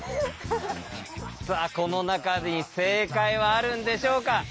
さあこの中に正解はあるんでしょうか？